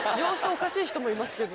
おかしい人もいます。